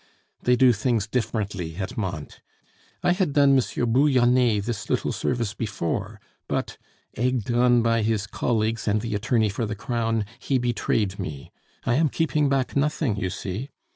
They do things differently at Mantes. I had done M. Bouyonnet this little service before; but, egged on by his colleagues and the attorney for the crown, he betrayed me. I am keeping back nothing, you see.